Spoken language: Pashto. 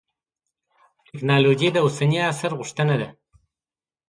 تکنالوجي د اوسني عصر غوښتنه ده.